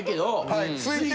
はい。